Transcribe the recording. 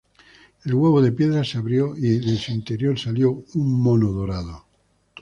El huevo de piedra se abrió y de su interior salió un mono dorado.